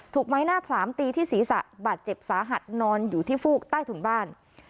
ไม้หน้าสามตีที่ศีรษะบาดเจ็บสาหัสนอนอยู่ที่ฟูกใต้ถุนบ้าน